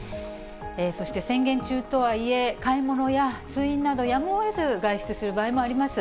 そして宣言中とはいえ、買い物や通院など、やむをえず外出する場合もあります。